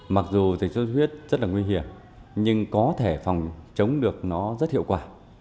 mặc dù dịch sốt huyết rất nguy hiểm nhưng có thể phòng chống được nó rất hiệu quả